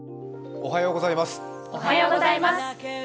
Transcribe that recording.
おはようございます。